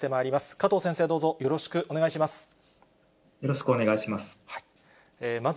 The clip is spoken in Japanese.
加藤先生、よろしくお願いします。